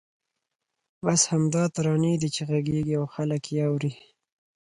بس همدا ترانې دي چې غږېږي او خلک یې اوري.